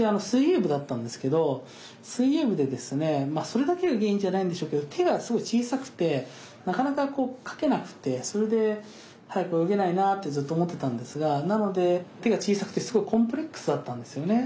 それだけが原因じゃないんでしょうけど手がすごい小さくてなかなかかけなくてそれで速く泳げないなってずっと思ってたんですがなので手が小さくてすごくコンプレックスだったんですよね。